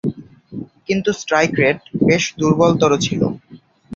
কিন্তু strike rate বেশ দূর্বলতর ছিল।